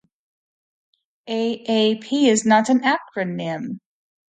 A-A-P is not an acronym.